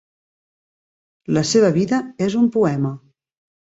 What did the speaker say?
La seva vida és un poema.